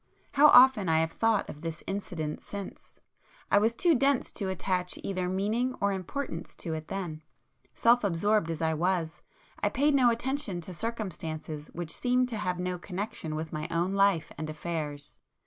How often I have thought of this incident since! I was too dense to attach either meaning or importance to it then,—self absorbed as I was, I paid no attention to circumstances which seemed to have no connection with my own life and affairs.